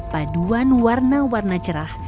paduan warna warna cerah